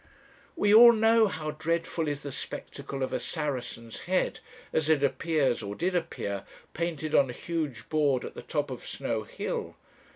"We all know how dreadful is the spectacle of a Saracen's head, as it appears, or did appear, painted on a huge board at the top of Snow Hill.